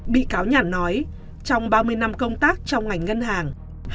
bị cáo nhàn nói trong ba mươi năm công tác trong ngành ngân hàng